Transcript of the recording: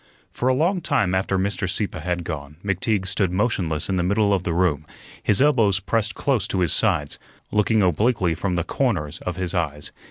For a long time after Mr. Sieppe had gone McTeague stood motionless in the middle of the room, his elbows pressed close to his sides, looking obliquely from the corners of his eyes.